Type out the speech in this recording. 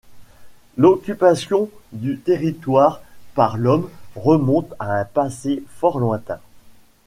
L'occupation du territoire par l'homme remonte à un passé fort lointain.